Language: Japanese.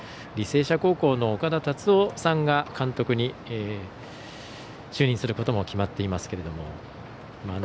履正社高校の岡田龍生さんが監督に就任することも決まっていますけれども。